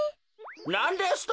なんですと！？